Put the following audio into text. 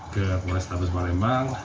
ke polis tabes palembang